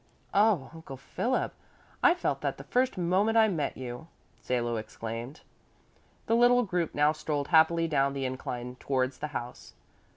"Oh, Uncle Philip, I felt that the first moment I met you," Salo exclaimed. The little group now strolled happily down the incline towards the house.